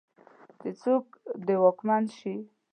چې څوک دې واکمن شي.